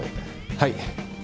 はい。